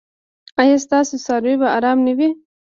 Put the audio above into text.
ایا ستاسو څاروي به ارام نه وي؟